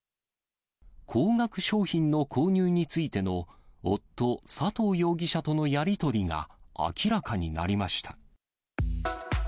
高額商品の購入についてのおっと、佐藤容疑者とのやり取りが明らかになりました。